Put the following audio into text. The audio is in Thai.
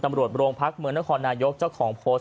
ตำรวจโรงพักเมืองนครนายกเจ้าของโพสต์